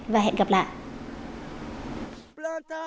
và hẹn gặp lại